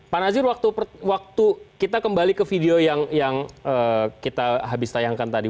pak nazir waktu kita kembali ke video yang kita habis tayangkan tadi